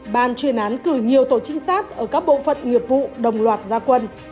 ban chuyên án cử nhiều tổ trinh sát ở các bộ phận nghiệp vụ đồng loạt gia quân